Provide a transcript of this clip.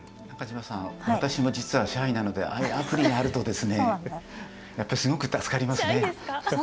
私も実はシャイなのでああいうアプリがあるとやっぱりすごく助かりますね。